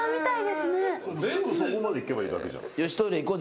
すぐそこまで行けばいいだけじゃん。